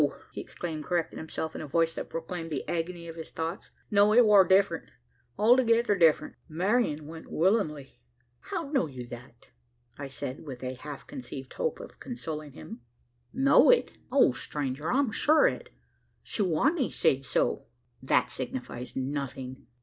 he exclaimed correcting himself, in a voice that proclaimed the agony of his thoughts. "No! it war different altogether different: Marian went willin'ly." "How know you that?" I said, with a half conceived hope of consoling him. "Know it? O stranger! I'm sure o' it; Su wa nee sayed so." "That signifies nothing.